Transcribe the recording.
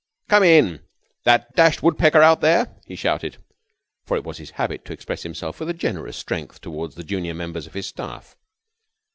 "Come in that dashed woodpecker out there!" he shouted, for it was his habit to express himself with a generous strength towards the junior members of his staff.